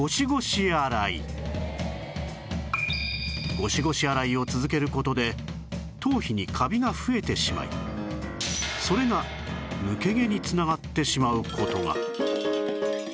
ゴシゴシ洗いを続ける事で頭皮にカビが増えてしまいそれが抜け毛に繋がってしまう事が